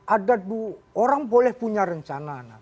ada orang boleh punya rencana